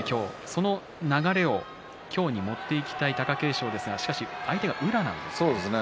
その流れを今日に持っていきたい貴景勝ですが相手が宇良なんですね。